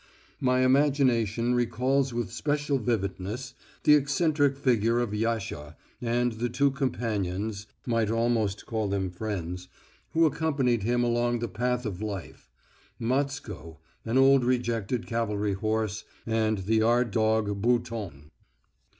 My imagination recalls with special vividness the eccentric figure of Yasha and the two companions I might almost call them friends who accompanied him along the path of life: Matsko, an old rejected cavalry horse, and the yard dog Bouton.